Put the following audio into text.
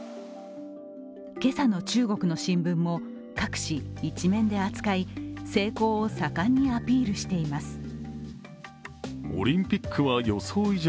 今朝の中国の新聞も各紙１面で扱い成功を盛んにアピールしています。